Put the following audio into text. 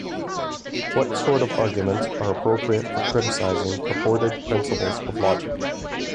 What sort of arguments are appropriate for criticising purported principles of logic?